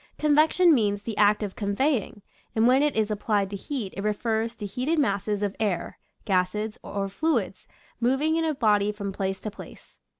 Convection means the act of conveying; and when it is applied to heat it refers to heated masses of air, gases, or fluids moving in a body from place to place.